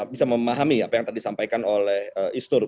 bisa memahami apa yang tadi disampaikan oleh istur